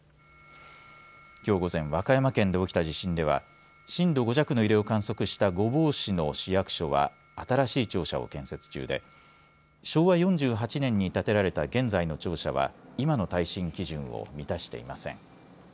きょう午前和歌山県で起きた地震では震度５弱の揺れを観測した御坊市の市役所は新しい庁舎を建設中で昭和４８年に建てられた現在の庁舎は今の耐震基準を満たしていません。